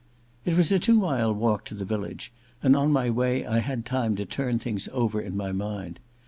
It was a two mile walk to the village, and on my way I had time to turn things over in my mind.